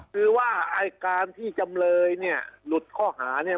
คือว่าไอ้การที่จำเลยเนี่ยหลุดข้อหาเนี่ย